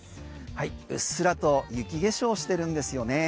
うっすらと雪化粧してるんですよね。